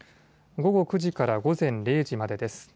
午後９時から午前０時までです。